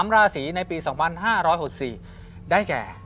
๓ราศีในปี๒๕๖๔ได้แก่